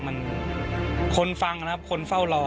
มีความรู้สึกว่าเสียใจ